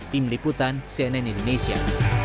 tim liputan cnn indonesia